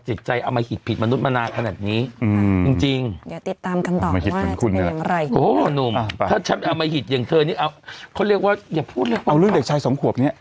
หญิตใจอมหิตผิดมนุษย์มานานาธรรมนักนี้